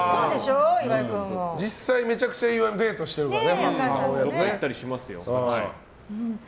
実際、めちゃくちゃ岩井デートしてるからね。